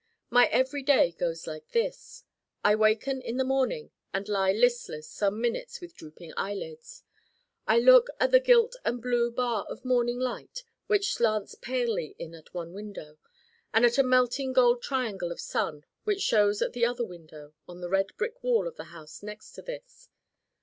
My Everyday goes like this: I waken in the morning and lie listless some minutes with drooping eyelids. I look at a gilt and blue bar of morning light which slants palely in at one window and at a melting gold triangle of sun which shows at the other window on the red brick wall of the house next to this.